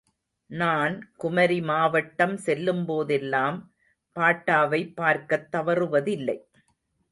நான் குமரி மாவட்டம் செல்லும்போதெல்லாம் பாட்டாவை பார்க்கத் தவறுவதில்லை.